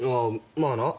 ああ。